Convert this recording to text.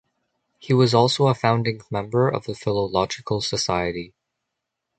He was also a founding member of the Philological Society.